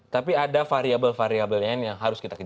tapi ada variabel variabel lainnya yang harus kita ketahui